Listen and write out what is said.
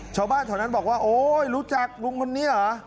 ชาวบ้านแถวนั้นบอกว่าโอ๊ยรู้จักลุงคนนี้เหรอ